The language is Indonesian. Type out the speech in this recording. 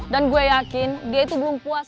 dan gue yakin dia itu belum puas